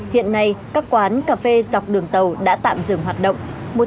hiện nay các quán cà phê dọc đường tàu đã tạm dừng hoạt động